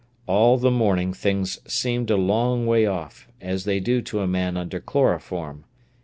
All the morning things seemed a long way off, as they do to a man under chloroform.